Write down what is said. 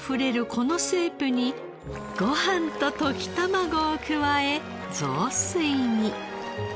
このスープにご飯と溶き卵を加え雑炊に。